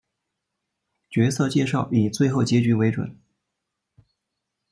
角色介绍以最后结局为准。